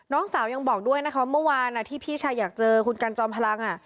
น้องสาวยังบอกด้วยนะคะเมื่อวานที่พี่ชายอยากเจอคุณกันจอมพลัง